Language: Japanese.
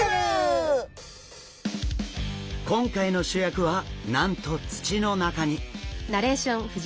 今回の主役はなんと土の中に！